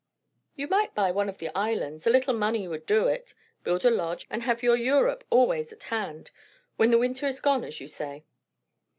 "You might buy one of the islands a little money would do it build a lodge, and have your Europe always at hand; when the winter is gone, as you say.